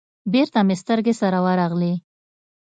بېرته مې سترگې سره ورغلې.